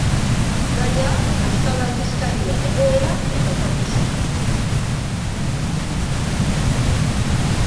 Gaia, euskal aldizkarien egoera eta etorkizuna.